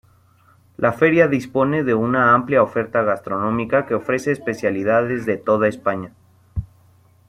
La Feria dispone de una amplia oferta gastronómica que ofrece especialidades de toda España.